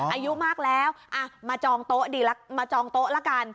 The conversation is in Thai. อายุมากแล้วมาจองโต๊ะดีละมาจองโต๊ะละกัน